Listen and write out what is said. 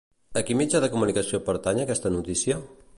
A quin mitjà de comunicació pertany aquesta notícia?